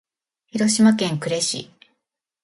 広島県呉市